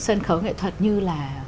sân khấu nghệ thuật như là